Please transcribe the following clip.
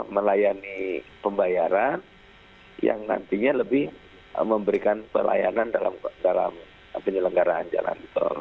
melayani pembayaran yang nantinya lebih memberikan pelayanan dalam penyelenggaraan jalan tol